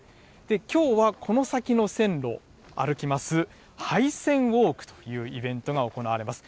きょうはこの先の線路、歩きます、廃線ウォークというイベントが行われます。